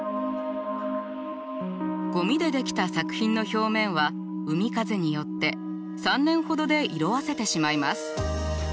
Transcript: ゴミで出来た作品の表面は海風によって３年ほどで色あせてしまいます。